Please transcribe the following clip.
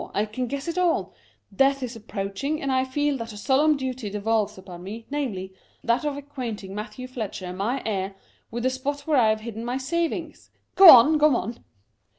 I can guess it all :* Death is approaching, and I feel that a solemn duty devolves upon me, namely, that of acquainting Matthew Fletcher, my heir, with the spot where I have hidden my savings.' Go on, go on."